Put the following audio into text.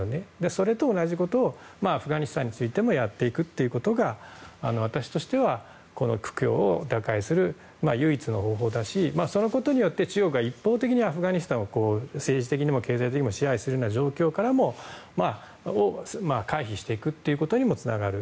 それと同じことをアフガニスタンについてもやっていくことが私としてはこの苦境を打開する唯一の方法だしそのことによって中国が一方的にアフガニスタンを政治的にも経済的にも支配するような状況からも回避していくことにもつながる。